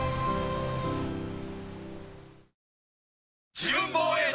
自分防衛団！